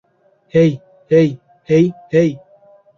হেই, hey, hey, হেই।